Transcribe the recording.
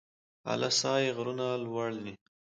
اله سای غرونه لوړ دي؟